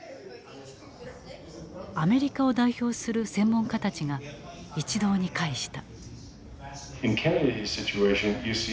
アメリカを代表する専門家たちが一堂に会した。